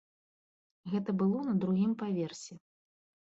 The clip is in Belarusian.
Гэта было на другім паверсе.